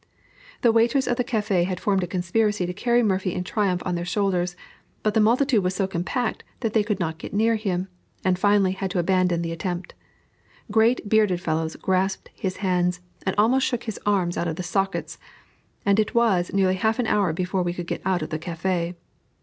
The waiters of the Café had formed a conspiracy to carry Morphy in triumph on their shoulders, but the multitude was so compact, they could not get near him, and finally, had to abandon the attempt. Great bearded fellows grasped his hands, and almost shook his arms out of the sockets, and it was nearly half an hour before we could get out of the Café.